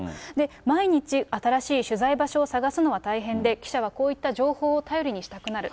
毎日、新しい取材場所を探すのは大変で、記者がこういった情報を頼りにしたくなる。